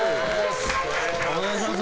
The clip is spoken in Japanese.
お願いします。